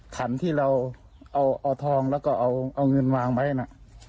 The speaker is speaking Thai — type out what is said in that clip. ขันที่เราเอาทองแล้วก็เอาเงินวางไว้นะ